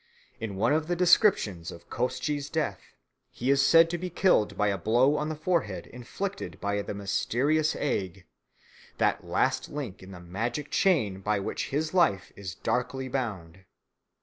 "In one of the descriptions of Koshchei's death, he is said to be killed by a blow on the forehead inflicted by the mysterious egg that last link in the magic chain by which his life is darkly bound.